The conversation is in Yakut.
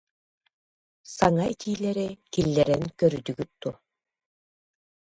Саҥа этиилэри киллэрэн көрдүгүт дуо